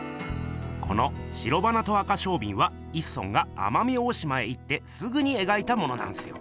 この「白花と赤翡翠」は一村が奄美大島へ行ってすぐにえがいたものなんすよ。